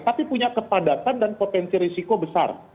tapi punya kepadatan dan potensi risiko besar